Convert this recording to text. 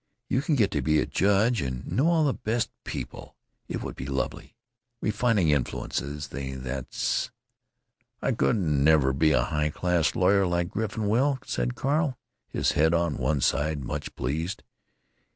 You can get to be a judge and know all the best people. It would be lovely.... Refining influences—they—that's——" "I couldn't ever be a high class lawyer like Griffin will," said Carl, his head on one side, much pleased.